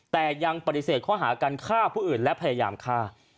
แต่ยังปฏิเสธข้อหาการฆ่าผู้อื่นและพยายามฆ่า